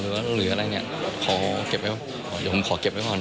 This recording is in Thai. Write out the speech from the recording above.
หรือว่าต้องเหลืออะไรเนี้ยขอเก็บไว้อย่าผมขอเก็บไว้ก่อน